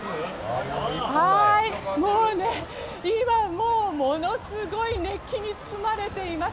今もうものすごい熱気に包まれています。